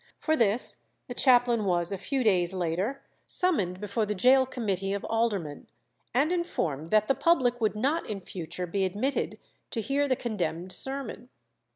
For this the chaplain was a few days later summoned before the gaol committee of aldermen, and informed that the public would not in future be admitted to hear the condemned sermon.